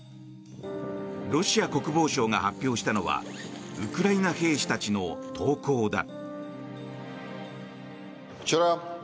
ロシア国防省が発表したのはウクライナ兵士たちの投降だ。